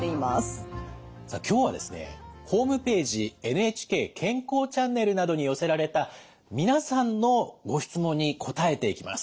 「ＮＨＫ健康チャンネル」などに寄せられた皆さんのご質問に答えていきます。